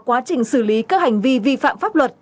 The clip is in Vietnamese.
quá trình xử lý các hành vi vi phạm pháp luật